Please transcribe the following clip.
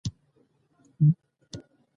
• د ودانیو امنیتي سیستمونه پرمختللي شول.